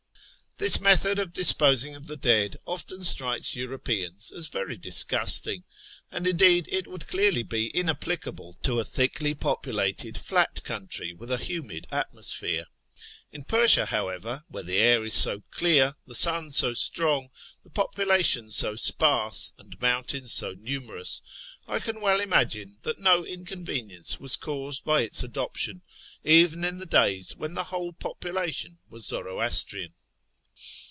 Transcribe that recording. This method of disposing of the dead often strikes Europeans as very dis gusting, and, indeed, it would clearly be inapplicable to a thickly populated, flat country with a humid atmosphere. In Persia, however, where the air is so clear, the sun so strong, the population so sparse, and mountains so numerous, I can well imagine that no inconvenience was caused by its adoption, even in the days when the whole population was Zoroastrian.